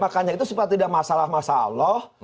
makanya itu supaya tidak masalah masalah